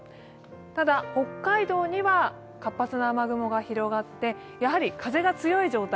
ただ、北海道には活発な雨雲が広がってやはり風が強い状態